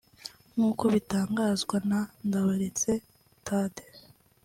nk’uko bitangazwa na Ndaberetse Thadee